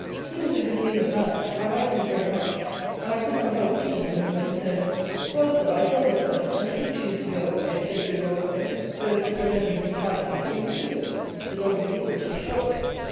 He was a good humoured man; I liked him very much; and I could not help feeling for him, when he said, "Well, Sir, I killed the bird; and if you choose to go away and take your dog away, so as to prevent me from finding it, you must do it; the dog is yours, to be sure."